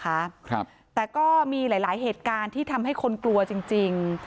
ครับแต่ก็มีหลายหลายเหตุการณ์ที่ทำให้คนกลัวจริงจริง